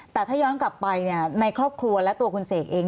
แต่ถ้าย้อนกลับไปในครอบครัวและตัวคุณเสกเอง